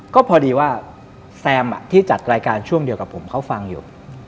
ก็พอดีว่าแซมที่จัดรายการช่วงเดียวกับผมเขาฟังอยู่